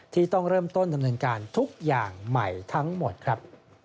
ที่ต้องเริ่มต้นดำเนินการทุกอย่างใหม่ทั้งหมดครับ